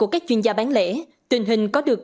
các chuyên gia bán lễ tình hình có được